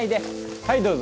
はいどうぞ。